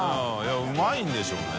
うまいんでしょうね。